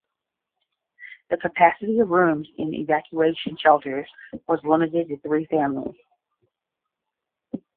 The capacity of rooms in evacuation shelters was limited to three families.